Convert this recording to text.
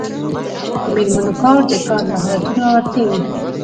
د میرمنو کار د کار مهارتونه ورښيي.